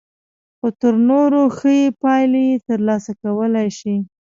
خو تر نورو ښې پايلې ترلاسه کولای شئ.